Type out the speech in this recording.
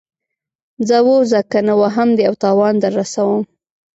ځه ووځه کنه وهم دې او تاوان در رسوم.